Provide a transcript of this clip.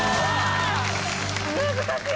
難しい！